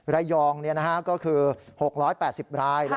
ไรยอง๖๘๐ราย